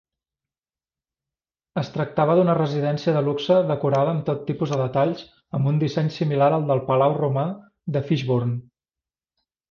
Es tractava d'una residència de luxe decorada amb tot tipus de detalls amb un disseny similar al del Palau romà de Fishbourne.